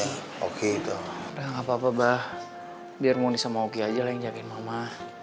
hai oke dong apa apa bah biar mau di semua ujian jalan jagain mama